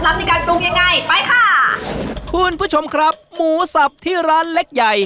มีการปรุงยังไงไปค่ะคุณผู้ชมครับหมูสับที่ร้านเล็กใหญ่